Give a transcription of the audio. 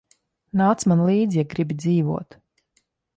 Nāc man līdzi, ja gribi dzīvot.